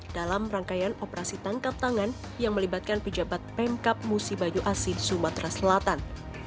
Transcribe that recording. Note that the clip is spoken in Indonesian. dalam rangkaian operasi tangkap tangan yang melibatkan pejabat pemkap musi bajo asin sumatera selatan